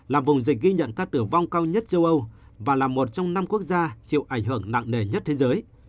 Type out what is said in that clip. là vùng dịch ghi nhận ca tử vong cao nhất châu âu và là một trong năm quốc gia chịu ảnh hưởng nặng nề nhất thế giới